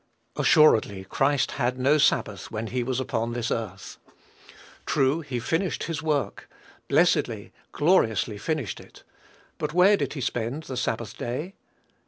Assuredly, Christ had no sabbath when he was upon this earth. True, he finished his work, blessedly, gloriously finished it, but where did he spend the Sabbath day?